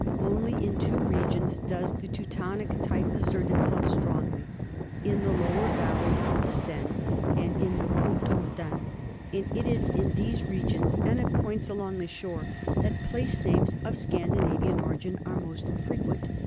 Only in two regions does the Teutonic type assert itself strongly, in the lower valley of the Seine and in the Cotentin, and it is in these re gions and at points along the shore that place names of Scandinavian origin are most frequent.